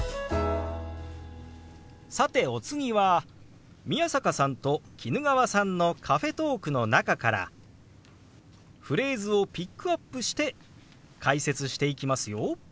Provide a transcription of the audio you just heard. さてお次は宮坂さんと衣川さんのカフェトークの中からフレーズをピックアップして解説していきますよ。